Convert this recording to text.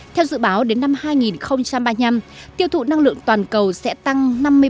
theo dự báo đến năm hai nghìn ba mươi năm tiêu thụ năng lượng toàn cầu sẽ tăng năm mươi